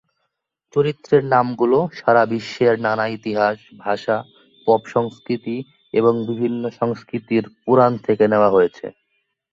চরিত্রদের নাম গুলো সারা বিশ্বের নানা ইতিহাস, ভাষা, পপ সংস্কৃতি এবং বিভিন্ন সংস্কৃতির পুরাণ থেকে নেওয়া হয়েছে।